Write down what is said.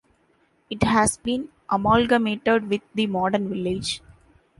It has been amalgamated with the modern village.